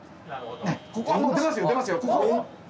ここはもう出ますよ出ますよ！